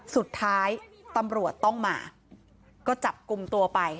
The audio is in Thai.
สุดท้ายตำรวจต้องมาก็จับกลุ่มตัวไป